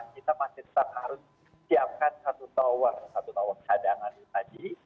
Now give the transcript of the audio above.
kita masih tetap harus siapkan satu tower satu tower cadangan tadi